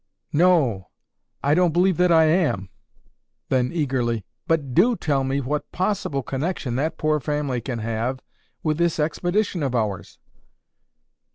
"No o. I don't believe that I am." Then eagerly, "But do tell me what possible connection that poor family can have with this expedition of ours."